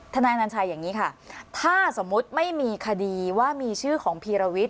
นายอนัญชัยอย่างนี้ค่ะถ้าสมมุติไม่มีคดีว่ามีชื่อของพีรวิทย